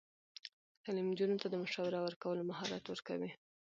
تعلیم نجونو ته د مشاوره ورکولو مهارت ورکوي.